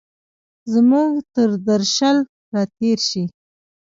زموږ تردرشل، را تېرشي